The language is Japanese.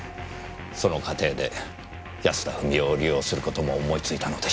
その過程で安田富美代を利用する事も思いついたのでしょう。